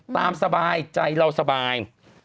สบายใจเราสบาย